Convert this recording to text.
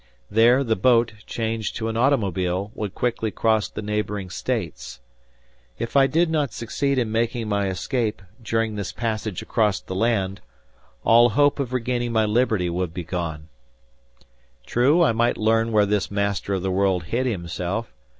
There, the boat, changed to an automobile, would quickly cross the neighboring States. If I did not succeed in making my escape, during this passage across the land, all hope of regaining my liberty would be gone. True, I might learn where this Master of the World hid himself.